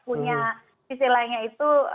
punya istilahnya itu